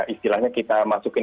istilahnya kita masukin